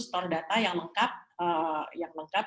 store data yang lengkap